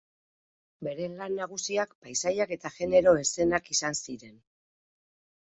Bere lan nagusiak paisaiak eta genero-eszenak izan ziren.